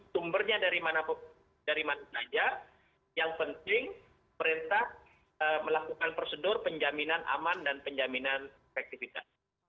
sumbernya dari mana saja yang penting perintah melakukan prosedur penjaminan aman dan penjaminan efektifitas